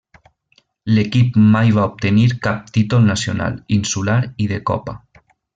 L'equip mai va obtenir cap títol nacional, insular i de copa.